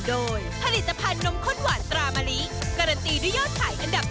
โอเคนะคะ